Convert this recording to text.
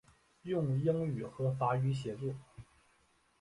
用英语和法语写作。